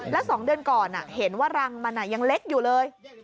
แล้ว๒เดือนก่อนเห็นว่ารังมันยังเล็กอยู่เลย